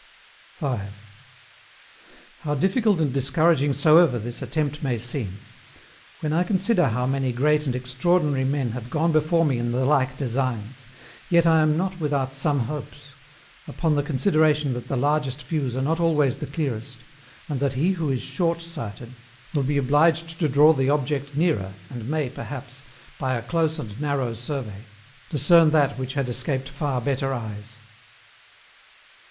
5. How difficult and discouraging soever this attempt may seem, when I consider how many great and extraordinary men have gone before me in the like designs, yet I am not without some hopes upon the consideration that the largest views are not always the clearest, and that he who is short sighted will be obliged to draw the object nearer, and may, perhaps, by a close and narrow survey, discern that which had escaped far better eyes.